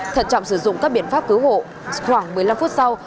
thận trọng sử dụng các biện pháp cứu hộ khoảng một mươi năm phút sau